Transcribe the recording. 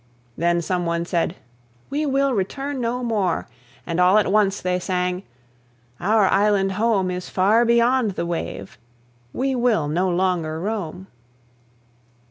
Then some one said, "We will return no more;" And all at once they sang, "Our island home Is far beyond the wave; we will no longer roam."